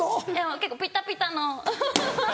結構ピタピタの。